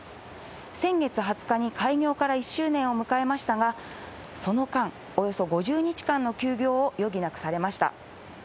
先月２０日に開業から１周年を迎えましたが、その間、およそ５０日間の休業を余儀なくされました。